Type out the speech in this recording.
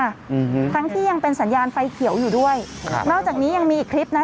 อืมทั้งที่ยังเป็นสัญญาณไฟเขียวอยู่ด้วยครับนอกจากนี้ยังมีอีกคลิปนะ